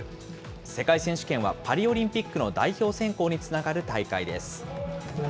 世界選手権はパリオリンピックの代表選考につながる大会です。